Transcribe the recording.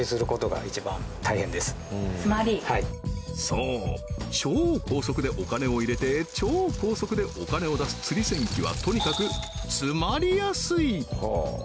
そう超高速でお金を入れて超高速でお金を出すつり銭機はとにかく詰まりやすい！